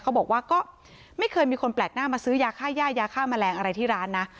เขาบอกว่าก็ไม่เคยมีคนแปลกหน้ามาซื้อยาค่าย่ายาฆ่าแมลงอะไรที่ร้านนะ